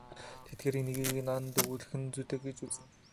Тэдгээрийн нэгийг энд өгүүлэх нь зүйтэй гэж үзнэ.